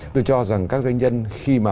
tôi cho rằng các doanh nhân khi mà